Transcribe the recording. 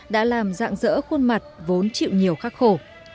đã làm dạng dỡ khuôn mặt vốn chịu nhiều khắc khổ